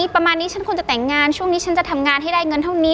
ประมาณนี้ฉันควรจะแต่งงานช่วงนี้ฉันจะทำงานให้ได้เงินเท่านี้